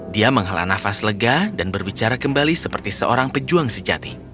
dia menghala nafas lega dan berbicara kembali seperti seorang pejuang sejati